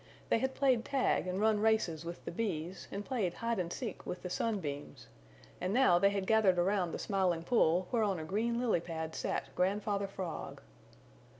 They had played tag and run races with the Bees and played hide and seek with the Sun Beams, and now they had gathered around the Smiling Pool where on a green lily pad sat Grandfather Frog.